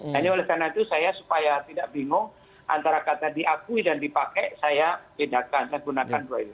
hanya oleh karena itu saya supaya tidak bingung antara kata diakui dan dipakai saya tidak gunakan dua ini